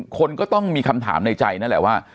คนก็ต้องมีคำถามในใจนั่นแหละว่า